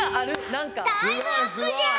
タイムアップじゃ！